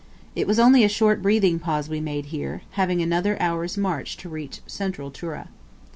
It was only a short breathing pause we made here, having another hour's march to reach Central Tura.